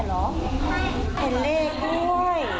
เห็นเลขด้วย